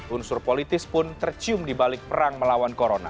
unsur politis pun tercium di balik perang melawan corona